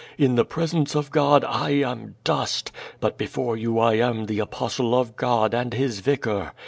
In the presence of God I am dust. But before you I am the AiMwtlc of God, and His Vicar.